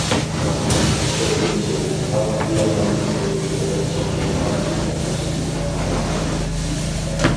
تۆتىنچى، پاك- دىيانەتلىك بولۇش تۆۋەن چېكىنى قەتئىي ساقلاش كېرەك.